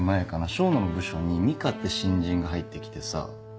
笙野の部署に実花って新人が入ってきてさ。